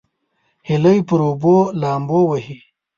هیلۍ پر اوبو لامبو وهي